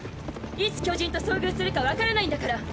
いつ巨人と遭遇するか分からないんだから！